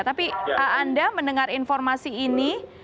tapi anda mendengar informasi ini